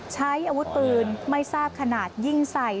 ใช้อาวุธปืนไม่ทราบขนาดยิงใส่